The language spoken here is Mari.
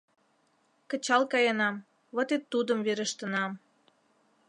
Кычал каенам, вот и Тудым верештынам.